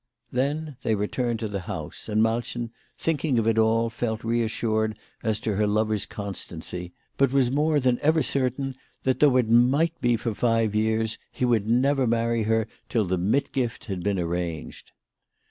Then they returned to the house; andMalchen, thinking of it all, felt reassured as to her lover's constancy, but was more than ever certain that, though it might be for five years, he would never marry her till the mitgift had been arranged.